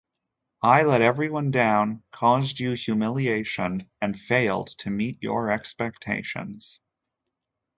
I let everyone down, caused you humiliation and failed to meet your expectations.